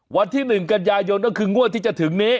วันที่๑กันยายนก็คืองวดที่จะถึงนี้